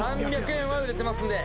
３００円は売れてますんで。